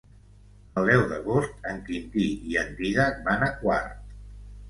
El deu d'agost en Quintí i en Dídac van a Quart.